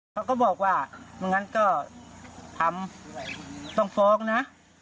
เขาก็บอกว่าไม่งั้นก็ทำต้องฟ้องนะ